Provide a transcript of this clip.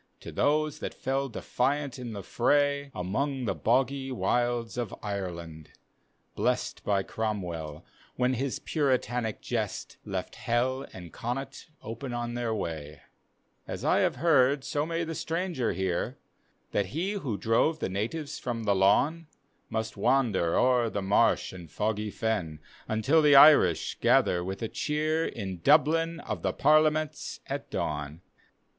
To those that fell defiant in the fray. Among the hoggs wilds of Ireland, blest By Cromwell, when his Puritanic jest Left Hell and Connaught open on their way. D,gt,, eril^GOOgle Ballad of Douglas Bridge 4 As I have heard so may the stranger hear! That he who drove the natives from the lawn, Must wander o'er the marsh and toggy fen Until the Irish gather with a cheer In Dublin of the Parliaments at dawn.